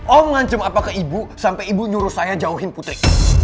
om ngancam apa ke ibu sampe ibu nyuruh saya jauhin putri